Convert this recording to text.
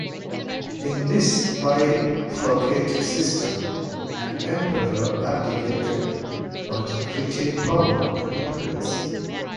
In this bifurcated system, an emperor abdicated, but retained power and influence.